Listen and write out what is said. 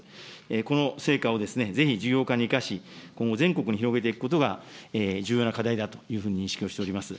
この成果をぜひ事業化に生かし、今後、全国に広げていくことが重要な課題だというふうに認識をしております。